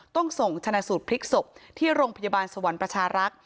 ต้องส่งชนะสูตรพลิกศพที่โรงพยาบาลสวรรค์ประชารักษ์